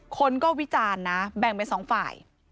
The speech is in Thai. คนก็วิจารณ์นะแบ่งไป๒ฝ่าย